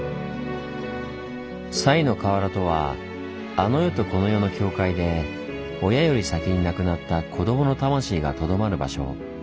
賽の河原とはあの世とこの世の境界で親より先に亡くなった子どもの魂がとどまる場所。